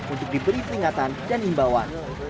untuk diberi peringatan dan imbauan